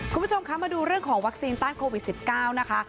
คุณผู้ชมคะมาดูเรื่องของวัคซีนต้านโควิด๑๙นะคะ